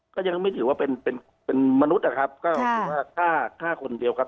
ก็ยังไม่ถือว่าเป็นเป็นมนุษย์นะครับก็คือว่าฆ่าฆ่าคนเดียวครับ